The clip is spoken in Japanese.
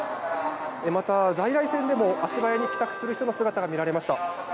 また、在来線でも足早に帰宅する人の姿が見られました。